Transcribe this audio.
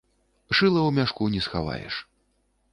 Шыла ў мяшку не схаваеш.